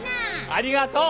ありがとう！